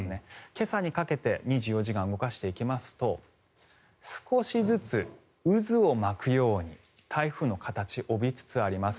今朝にかけて２４時間動かしていきますと少しずつ渦を巻くように台風の形を帯びつつあります。